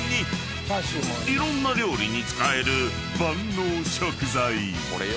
［いろんな料理に使える万能食材］